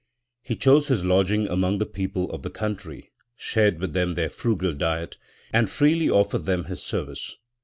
He chose his lodging among the people of the country, shared with them their frugal diet, and freely offered them his service.